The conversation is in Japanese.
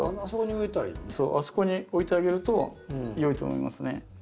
あそこに置いてあげるとよいと思いますね。